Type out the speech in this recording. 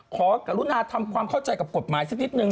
ขอกำลักษณะทำความเข้าใจกับกฎหมายสิ้นสิทธิ์หนึ่ง